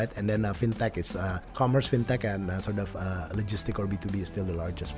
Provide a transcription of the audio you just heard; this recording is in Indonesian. dan fintech adalah komers fintech dan logistik atau b dua b masih paling besar